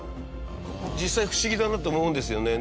実際不思議だなと思うんですよね。